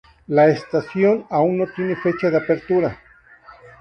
La estación aún no tiene fecha de apertura.